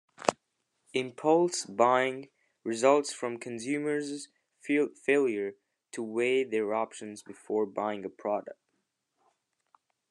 Impulse buying results from consumers' failure to weigh their options before buying a product.